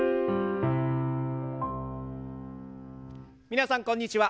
皆さんこんにちは。